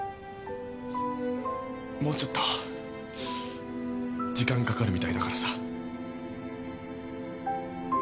もうちょっと時間かかるみたいだからさ。